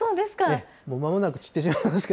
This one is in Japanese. まもなく散ってしまいますか